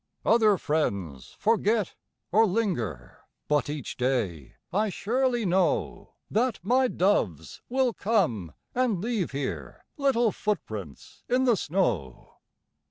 Other friends forget, or linger, But each day I surely know That my doves will come and leave here Little footprints in the snow.